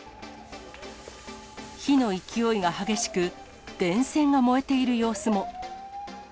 火の勢いが激しく、電線が燃えている様子も。